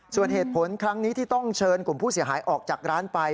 ส่วนเหตุผลครั้งนี้ที่ต้องเชิญกลุ่มผู้เสียหายออกจากร้านไป